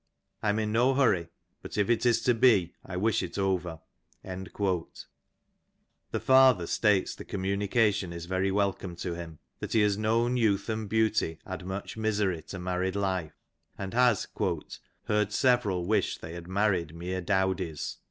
I am in no hurry, but if " it is to be I wish it over."*^ The father states the communication is very welcome to him, that he has known youth and beauty add much misery to married life, and has " heard several wish they had " married meer dowdies."